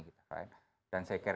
dan saya kira politik luar negara